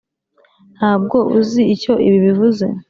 ntabwo uzi icyo ibi bivuze?